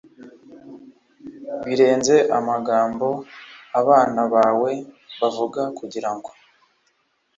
ibirenze amagambo abana bawe bavuga kugira ngo